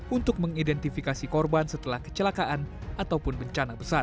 untuk mengidentifikasi korban setelah kecelakaan ataupun bencana besar